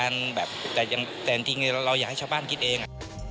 แต่จริงเราอยากให้ชาวบ้านคิดเอง